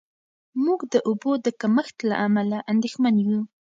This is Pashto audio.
موږ د اوبو د کمښت له امله اندېښمن یو.